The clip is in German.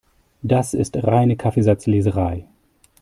Das ist reine Kaffeesatzleserei.